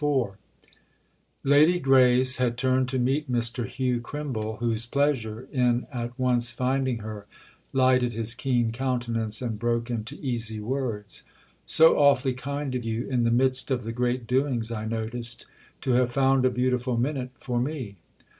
IV Lady Grace had turned to meet Mr. Hugh Crimble, whose pleasure in at once finding her lighted his keen countenance and broke into easy words. "So awfully kind of you—in the midst of the great doings I noticed—to have found a beautiful minute for me."